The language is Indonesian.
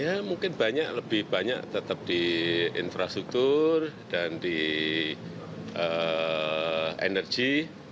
ya mungkin banyak lebih banyak tetap di infrastruktur dan di energi